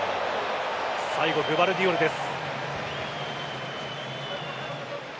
最後、グヴァルディオルです。